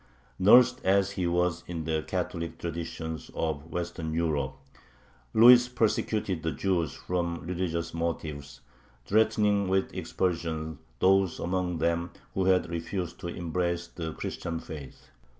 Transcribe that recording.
Nursed as he was in the Catholic traditions of Western Europe, Louis persecuted the Jews from religious motives, threatening with expulsion those among them who had refused to embrace the Christian faith.